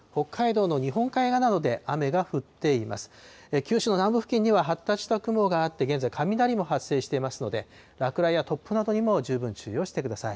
九州の南部付近には、発達した雲があって、現在、雷も発生していますので、落雷や突風などにも十分注意をしてください。